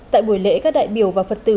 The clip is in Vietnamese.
tại buổi lễ các đại biểu và phật tử